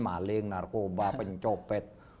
maling narkoba pencopet